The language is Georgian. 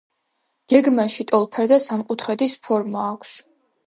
გეგმაში ტოლფერდა სამკუთხედის ფორმა აქვს.